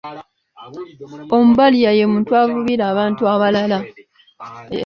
Omubaliya ye muntu avubira abantu abalala.